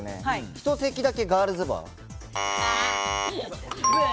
１席だけガールズバー。